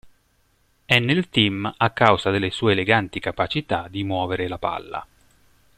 È nel team a causa delle sue eleganti capacità di muovere la palla.